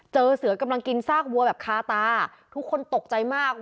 เจอเสือกำลังกินซากวัวแบบคาตาทุกคนตกใจมาก